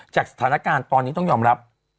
จากสถานการณ์ตอนนี้ต้องยอมรับ